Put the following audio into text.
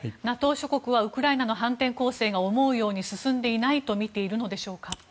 諸国はウクライナの反転攻勢が思うように進んでいないとみているのでしょうか？